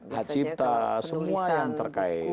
hak cipta semua yang terkait